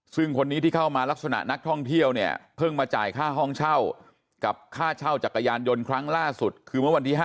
ซึ่งคนนี้ที่เข้ามาลักษณะนักท่องเที่ยวเนี่ยเพิ่งมาจ่ายค่าห้องเช่ากับค่าเช่าจักรยานยนต์ครั้งล่าสุดคือเมื่อวันที่๕